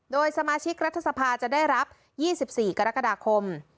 โดยสมาชิกรัฐสภาจะได้รับ๒๔กรกฎาคม